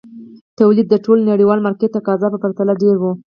تولید یې د ټول نړیوال مارکېټ تقاضا په پرتله ډېر وو.